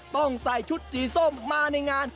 ต้องใส่ชุดสีส้มมาในงาน